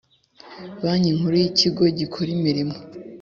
Banki Nkuru y ikigo gikora imirimo